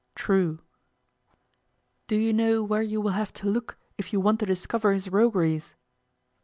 True. Do you know where you will have to look if you want to discover his rogueries?